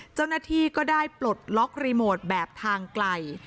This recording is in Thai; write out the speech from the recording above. เจ้าหน้าที่ก็ได้ปลดล็อกรีโมทแบบทางไกล